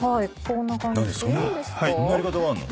そんなやり方があんの？